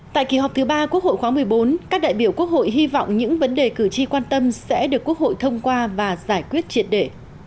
tại kỳ họp thứ ba quốc hội khóa một mươi bốn các đại biểu quốc hội hy vọng những vấn đề cử tri quan tâm sẽ được quốc hội thông qua và giải quyết triệt để